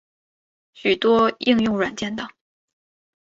许多应用软件等。